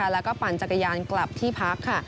แล้วก็ปั่นจักรยานกลับที่พักค่ะ